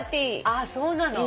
あっそうなの。